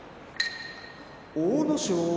阿武咲